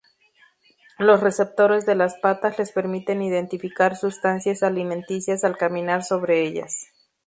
Los receptores de las patas les permiten identificar sustancias alimenticias al caminar sobre ellas.